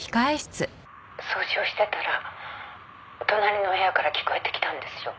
「掃除をしてたら隣の部屋から聞こえてきたんですよ」